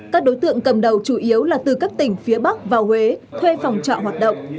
các đối tượng cầm đầu chủ yếu là từ các tỉnh phía bắc vào huế thuê phòng trọ hoạt động